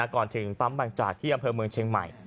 ก่อนถึงปั๊มบางจากที่อำเภอเมืองเชียงใหม่